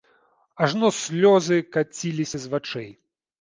Ажно слёзы каціліся з вачэй.